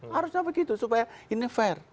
harusnya begitu supaya ini fair